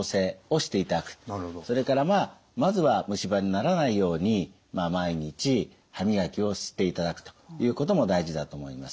それからまあまずは虫歯にならないように毎日歯磨きをしていただくということも大事だと思います。